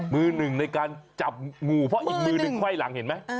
มือหนึ่งในการจับงูเพราะอีกมือหนึ่งไขว้หลังเห็นไหม